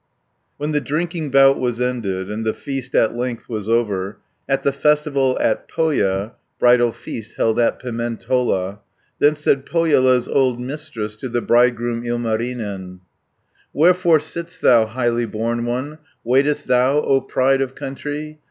When the drinking bout was ended, And the feast at length was over, At the festival at Pohja, Bridal feast held at Pimentola, Then said Pohjola's old Mistress, To the bridegroom, Ilmarinen, "Wherefore sit'st thou, highly born one, Waitest thou, O pride of country?